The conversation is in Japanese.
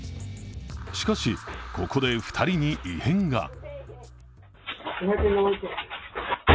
しかし、ここて２人に異変が。